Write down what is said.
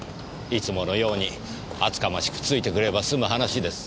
いつものように厚かましくついてくれば済む話です。